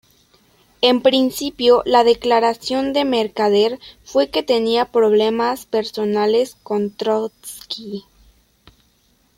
En principio, la declaración de Mercader fue que tenía problemas personales con Trotski.